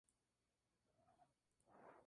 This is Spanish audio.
Enseñó español e historia de España en Berlín.